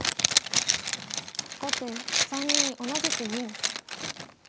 後手３二同じく銀。